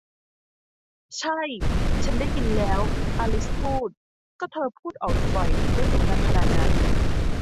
ใช่ ชั้นได้ยินแล้ว อลิซพูด ก็เธอพูดออกจะบ่อยและเสียงดังขนาดนั้น